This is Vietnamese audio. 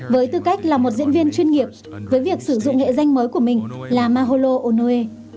với tư cách là một diễn viên chuyên nghiệp với việc sử dụng nghệ danh mới của mình là maholo onue